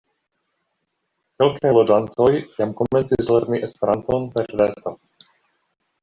Kelkaj loĝantoj jam komencis lerni Esperanton per reto.